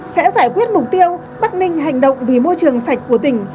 sẽ giải quyết mục tiêu bắc ninh hành động vì môi trường sạch của tỉnh